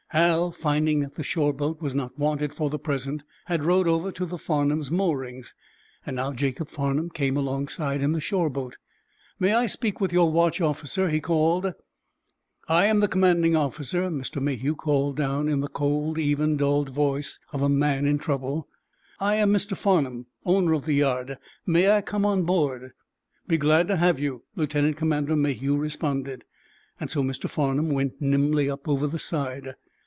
Hal, finding that the shore boat was not wanted for the present, had rowed over to the "Farnum's" moorings. Now Jacob Farnum came alongside in the shore boat. "May I speak with your watch officer?" he called. "I am the commanding officer," Mr. Mayhew called down, in the cold, even, dulled voice of a man in trouble. "I am Mr. Farnum, owner of the yard. May I come on board?" "Be glad to have you," Lieutenant Commander Mayhew responded. So Mr. Farnum went nimbly up over the side.